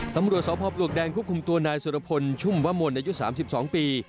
ตำรวจสวพลวกแดงคุบคุมตัวนายสุรพลชุ่มวะม่วนในยุคสามสิบสองปี